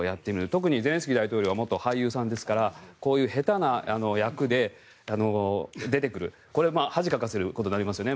特にゼレンスキー大統領は元俳優さんですからこういう下手な役で出てくるとこれは恥をかかせることになりますよね。